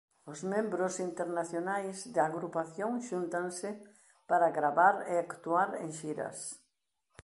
Os membros internacionais da agrupación xúntanse para gravar e actuar en xiras.